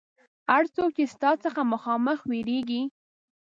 هر څوک چې ستا څخه مخامخ وېرېږي.